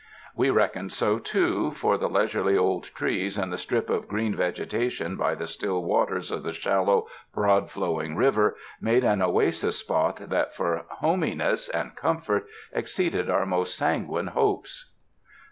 We reckoned so, too; for the leisurely old trees and the strip of green vegetation by the still waters of the shallow, broad flowing river, made an oasis spot that for "homeyness" and comfort exceeded our most sanguine hopes.